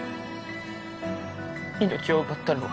命を奪ったのは